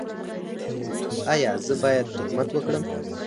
ایا زه باید تهمت وکړم؟